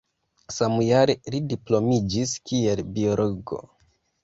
Samjare li diplomiĝis kiel biologo.